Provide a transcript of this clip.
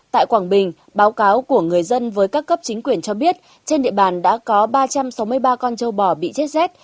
tại quảng bình báo cáo của người dân với các cấp chính quyền cho biết trên địa bàn đã có ba trăm sáu mươi ba con châu bò bị chết rét